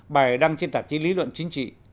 bài đăng trên tạp chí lý luận chính trị